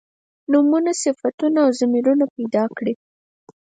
نومونه صفتونه او ضمیرونه پیدا کړي.